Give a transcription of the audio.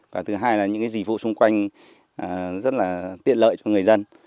và thứ hai là những cái dị vụ xung quanh rất là tiện lợi cho người dân